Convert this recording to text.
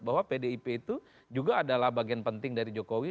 bahwa pdip itu juga adalah bagian penting dari jokowi